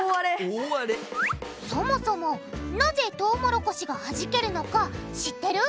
そもそもなぜトウモロコシがはじけるのか知ってる？